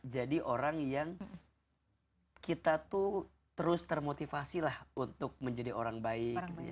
jadi orang yang kita tuh terus termotivasi lah untuk menjadi orang baik